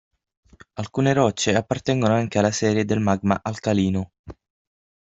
Alcune rocce appartengono anche alla serie del magma alcalino.